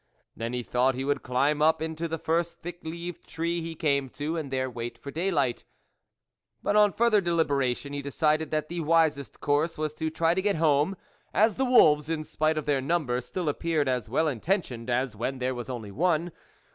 Then he thought he would climb up into the first thick leaved tree he came to, and there wait for day light ; but on further deliberation, he decided that the wisest course was to try to get home, as the wolves, in spite of their number, still appeared as well inten tioned as when there was only one.